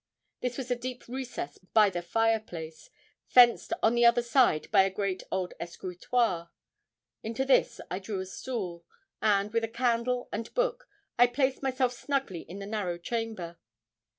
This was a deep recess by the fireplace, fenced on the other side by a great old escritoir. Into this I drew a stool, and, with candle and book, I placed myself snugly in the narrow chamber.